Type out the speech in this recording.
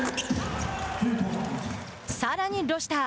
さらにロシター。